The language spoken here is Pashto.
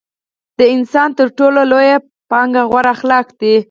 د انسان تر ټولو لويه پانګه غوره اخلاق دي.